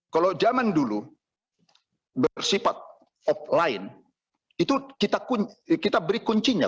kalau zaman dulu bersifat offline itu kita beri kuncinya